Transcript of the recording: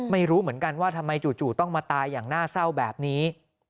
ไม่รู้เหมือนกันว่าทำไมจู่ต้องมาตายอย่างน่าเศร้าแบบนี้